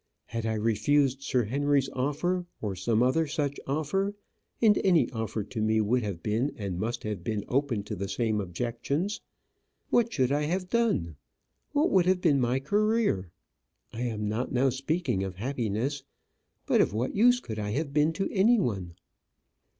Had I refused Sir Henry's offer, or some other such offer and any offer to me would have been, and must have been open to the same objections what should I have done? what would have been my career? I am not now speaking of happiness. But of what use could I have been to any one?